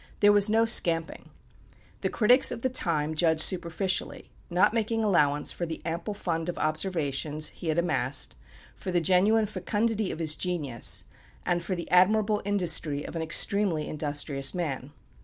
There was no scamping. The critics of the time judged superficially, not making allowance for the ample fund of observations he had amassed, for the genuine fecundity of his genius, and for the admirable industry of an extremely industrious man.